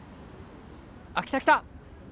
あっ来た来た！